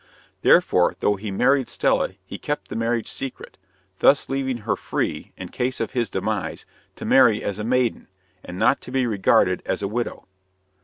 Therefore, though he married Stella, he kept the marriage secret, thus leaving her free, in case of his demise, to marry as a maiden, and not to be regarded as a widow.